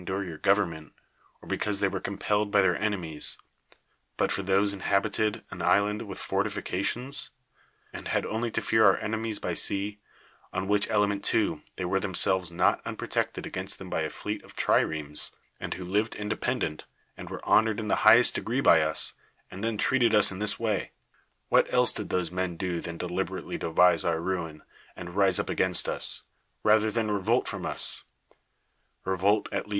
dure your government, or because they were compelled by their enemies. But for tho^;e mIm) in]ial)ited an island with fortifications, nnd IkuI only to fear our enemies by sea, on which eiement, too, they were themselves not unprotected against them by a fleet of triremes, and who lived independ ent, and were honored in the highest degree by us, and theu treated us in this way; what else did those men do than deliberately devise our ruin, and rise up against us, rather tluui revolt from us (r(n'oll, at h d ^f.